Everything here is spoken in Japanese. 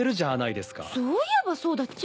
そういえばそうだっちゃ。